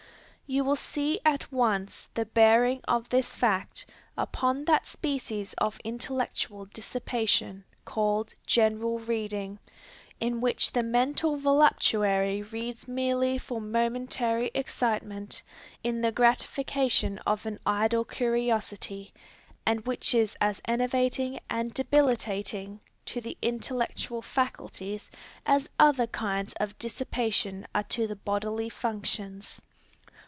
You will see at once the bearing of this fact upon that species of intellectual dissipation, called "general reading," in which the mental voluptuary reads merely for momentary excitement, in the gratification of an idle curiosity, and which is as enervating and debilitating to the intellectual faculties, as other kinds of dissipation are to the bodily functions.